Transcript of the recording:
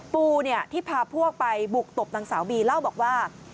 ปูที่พาพวกไปบุกตบนางสาวบีเล่าบอกว่า